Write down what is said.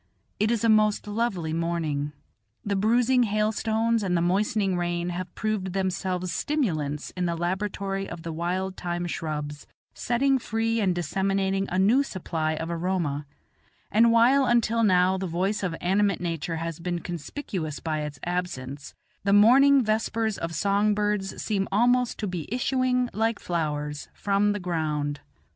It is a most lovely morning; the bruising hailstones and the moistening rain have proved themselves stimulants in the laboratory of the wild thyme shrubs, setting free and disseminating a new supply of aroma; and while until now the voice of animate nature has been conspicuous by its absence, the morning vespers of song birds seed almost to be issuing, like flowers, from the ground.